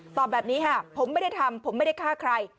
ตอบแบบนี้ค่ะผมไม่ได้ทำผมไม่ได้ฆ่าใคร